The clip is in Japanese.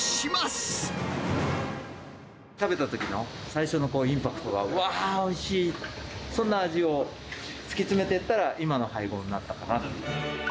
食べたときの最初のインパクトが、わーおいしい、そんな味を突き詰めていったら、今の配合になったかな。